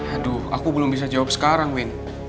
aduh aku belum bisa jawab sekarang win